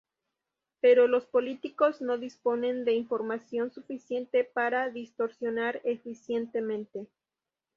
Pero los políticos no disponen de información suficiente para distorsionar eficientemente.